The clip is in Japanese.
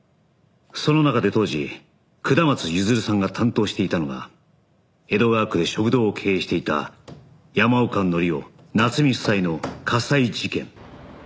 その中で当時下松譲さんが担当していたのが江戸川区で食堂を経営していた山岡紀夫夏美夫妻の火災事件